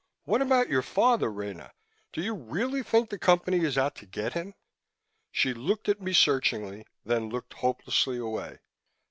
"What about your father, Rena? Do you really think the Company is out to get him?" She looked at me searchingly, then looked hopelessly away.